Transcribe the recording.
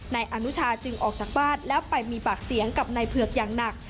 นายอนุชาจึงออกจากบ้านแล้วไปมีปากเสียงกับนายเผือกอย่างหนัก